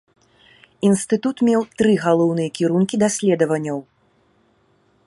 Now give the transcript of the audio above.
Інстытут меў тры галоўныя кірункі даследаванняў.